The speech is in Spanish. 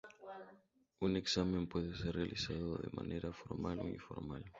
Un examen puede ser realizado de manera formal o informal.